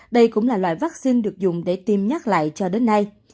đây cũng là loại vaccine được dùng để tiêm nhắc lại cho đến nay